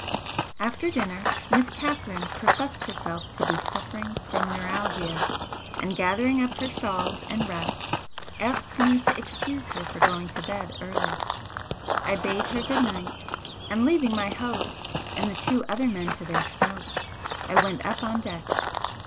After dinner, Miss Catherine professed herself to be suffering from neuralgia, and gathering up her shawls and wraps asked me to excuse her for going to bed early. I bade her good night, and, leaving my host and the two other men to their smoke, I went up on deck.